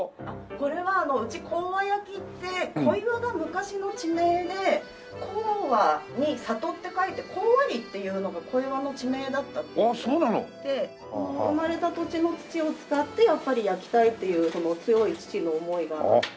これはうち甲和焼って小岩の昔の地名で甲和に里って書いて甲和里っていうのが小岩の地名だったっていわれていてこの生まれた土地の土を使ってやっぱり焼きたいっていう強い父の思いがあって。